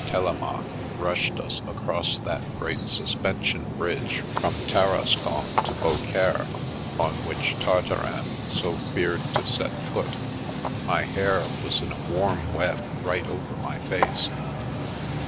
Telemaque rushed us across that great sus pension bridge from Tarascon to Beaucaire on which Tartarin so feared to set foot, my hair was in a warm web right over my face.